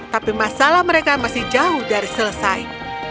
tapi masalah mereka masih jauh dari selesai